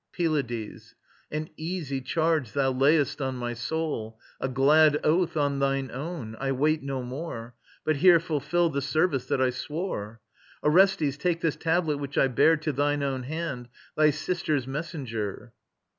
PYLADES. An easy charge thou layest on my soul, A glad oath on thine own. I wait no more, But here fulfil the service that I swore. Orestes, take this tablet which I bear To thine own hand, thy sister's messenger.